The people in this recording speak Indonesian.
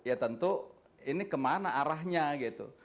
ya tentu ini kemana arahnya gitu